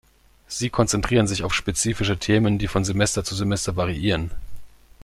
Sie konzentrieren sich auf spezifische Themen, die von Semester zu Semester variieren.